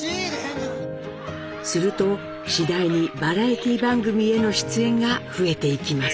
すると次第にバラエティー番組への出演が増えていきます。